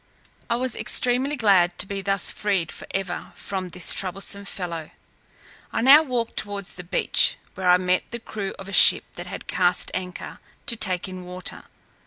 I was extremely glad to be thus freed for ever from this troublesome fellow. I now walked towards the beach, where I met the crew of a ship that had cast anchor, to take in water.